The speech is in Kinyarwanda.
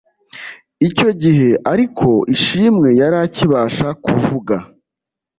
Icyo gihe ariko Ishimwe yari akibasha kuvuga